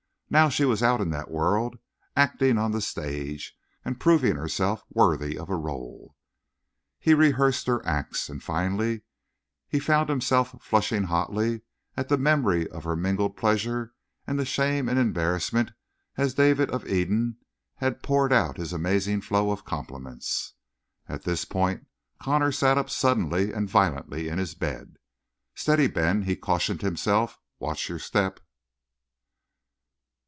Now she was out in that world, acting on the stage and proving herself worthy of a rôle. He rehearsed her acts. And finally he found himself flushing hotly at the memory of her mingled pleasure and shame and embarrassment as David of Eden had poured out his amazing flow of compliments. At this point Connor sat up suddenly and violently in his bed. "Steady, Ben!" he cautioned himself. "Watch your step!"